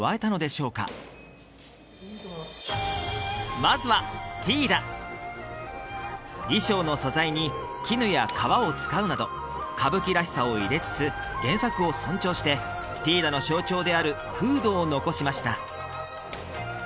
まずはティーダ衣装の素材に絹や革を使うなど歌舞伎らしさを入れつつ原作を尊重してティーダの象徴であるフードを残しました